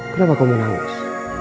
kenapa kamu menangis